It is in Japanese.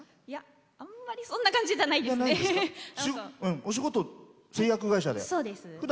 いや、あんまりそんな感じじゃないですね。